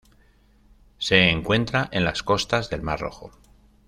Se encuentra en las costas del Mar Rojo.